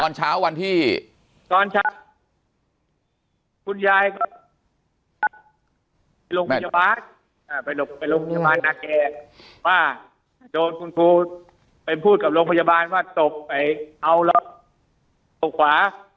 โดนคุณฟูทไปพูดพูดกับโรงพยาบาลว่าตกไปเทาหรอตกไปตกขวาง